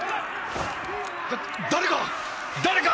誰か！